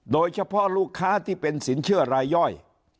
โดยเฉพาะลูกค้าที่เป็นสินเชื่อรายย่อย